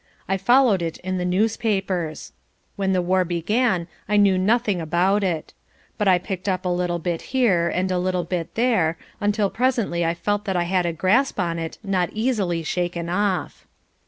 I followed it in the newspapers. When the war began I knew nothing about it. But I picked up a little bit here and a little bit there until presently I felt that I had a grasp on it not easily shaken off.